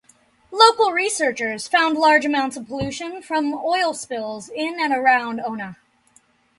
Local researchers found large amounts of pollution from oil spills in and around Onna.